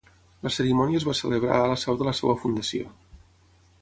La cerimònia es va celebrar a la seu de la seva fundació.